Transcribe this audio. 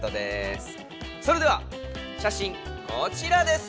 それでは写真こちらです。